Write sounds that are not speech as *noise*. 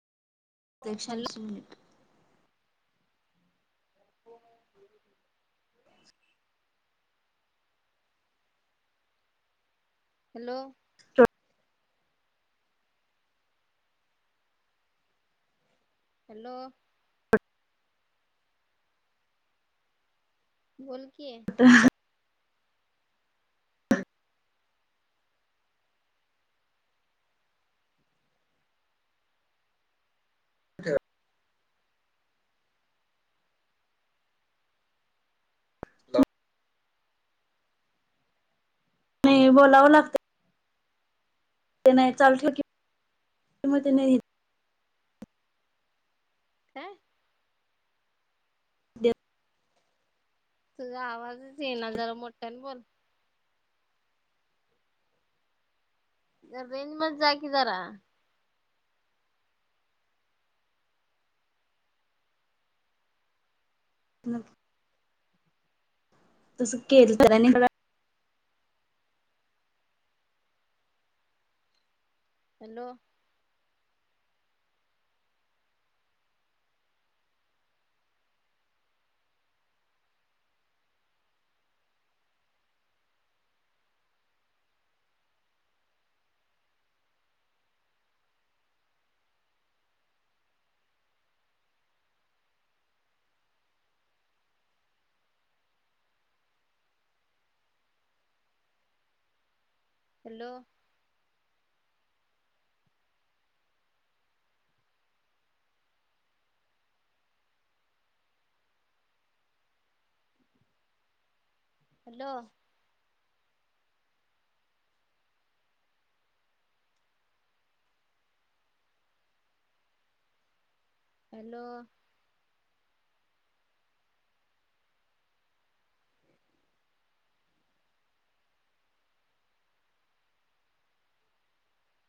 ते एकशे हॅलो ऐंशी यनिट. *unintelligible* हॅलो. हॅलो. बोल की. *unintelligible* ठेवा नाही बोलावं लागतं. ते नाही चाल ठेव कि म ते नाही काय देव तुझा आवाजच येईना जरा मोठ्यानं बोल. रेंज मध्ये जाय की जरा. *unintelligible* तुझ केलं तर आणि मला हॅलो. हॅलो. हॅलो. हॅलो.